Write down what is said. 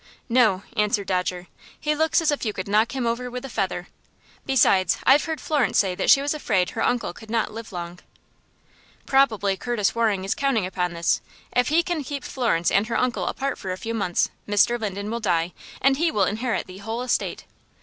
"No," answered Dodger. "He looks as if you could knock him over with a feather. Besides, I've heard Florence say that she was afraid her uncle could not live long." "Probably Curtis Waring is counting upon this. If he can keep Florence and her uncle apart for a few months, Mr. Linden will die, and he will inherit the whole estate.